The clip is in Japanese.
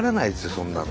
そんなの。